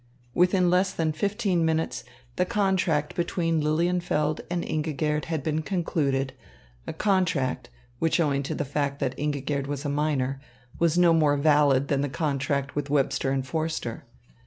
Within less than fifteen minutes, the contract between Lilienfeld and Ingigerd had been concluded, a contract, which owing to the fact that Ingigerd was a minor, was no more valid than the contract with Webster and Forster.